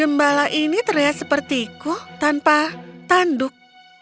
gembala ini terlihat seperti ku tanpa tanduk